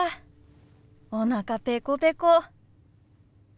おなかペコペコ。